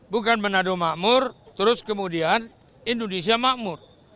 bukan menado makmur terus kemudian indonesia makmur